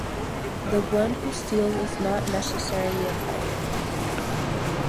The one who steals is not necessarily a pirate.